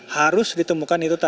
harus ditemukan itu targetnya